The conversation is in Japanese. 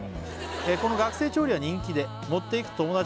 「この学生調理は人気で持っていくと友達から」